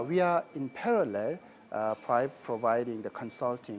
membaiki mobil elektrik memerlukan latihan yang baru bukan